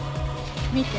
見て。